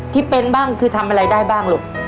ที่เป็นบ้างคือทำอะไรได้บ้างลูก